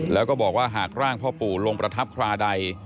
แล้วก็บอกว่าหากร่างพ่อปู่ลงประทับคราใด